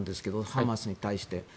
ハマスに対して。